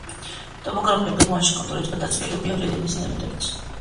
ტოპოგრაფიულ გეგმაში კონტურების გარდა წვლილადებია რელიეფის ელემენტებიც.